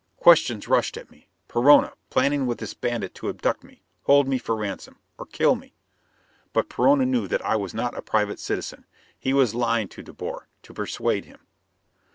Questions rushed at me. Perona, planning with this bandit to abduct me. Hold me for ransom. Or kill me! But Perona knew that I was not a private citizen. He was lying to De Boer, to persuade him.